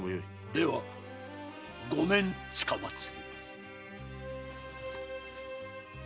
では御免つかまつります。